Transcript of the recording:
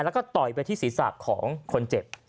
แล้วก็ต่อยไปที่ศีรษะของคนเจ็บ